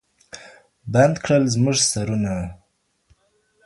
بند کړل زموږ سرونه